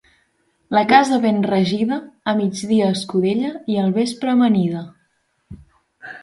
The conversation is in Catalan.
La casa ben regida, a migdia escudella i al vespre amanida.